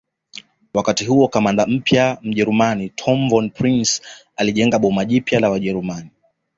wakati huo kamanda mpya mjerumani Tom Von Prince alijenga boma jipya la wajerumani